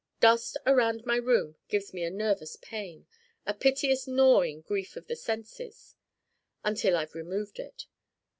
Dust around my room gives me a nervous pain, a piteous gnawing grief of the senses, until I've removed it.